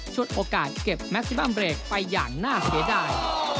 โอกาสเก็บแมสซิบัมเบรกไปอย่างน่าเสียดาย